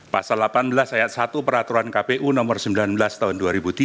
pasal delapan belas ayat satu peraturan kpu nomor sembilan belas tahun dua ribu tiga